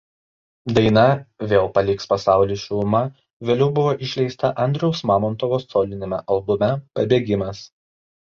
Daina „Vėl paliks pasaulį šiluma“ vėliau buvo išleista Andriaus Mamontovo soliniame albume "Pabėgimas".